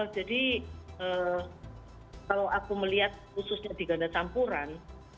jadi kalau aku melihat khususnya di ganda campuran